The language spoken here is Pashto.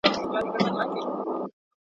موږ د یوې سوکاله ټولني په لټه کي یو.